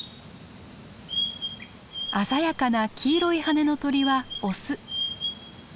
鮮やかな黄色い羽の鳥はオス。